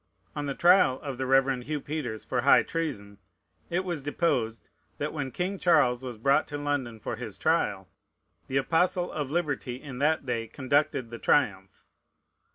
On the trial of the Reverend Hugh Peters for high treason, it was deposed, that, when King Charles was brought to London for his trial, the Apostle of Liberty in that day conducted the triumph.